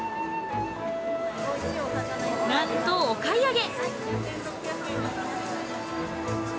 なんとお買い上げ。